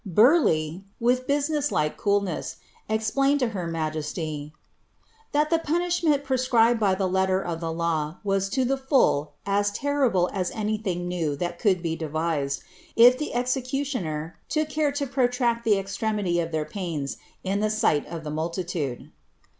Burleign, with business like coolness, explained to her majesty, ^ that the punishment prescribed by the letter of the law was to the full as terrible as anything new that could be devised, if the exe cutioner took care to protract the extremity of their pains in the sight of the multitude."